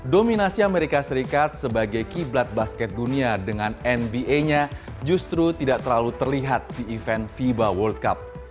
dominasi amerika serikat sebagai kiblat basket dunia dengan nba nya justru tidak terlalu terlihat di event fiba world cup